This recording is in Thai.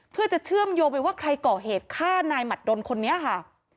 เพื่อจะเชื่อมโยงไปว่าใครก่อเหตุฆ่านายหมัดดนคนนี้ค่ะ